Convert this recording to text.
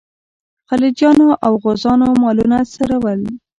خلجیانو او غوزانو مالونه څرول.